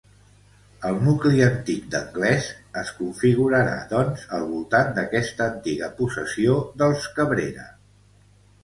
El nucli antic d'Anglès es configurarà, doncs, al voltant d'aquesta antiga possessió dels Cabrera.